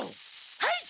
はい！